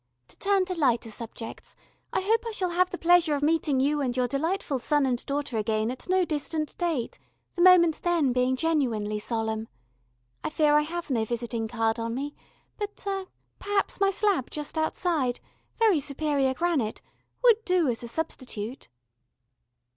To turn to lighter subjects, I hope I shall have the pleasure of meeting you and your delightful son and daughter again at no distant date, the moment then being genuinely solemn. I fear I have no visiting card on me, but er perhaps my slab just outside very superior granite would do as a substitute...."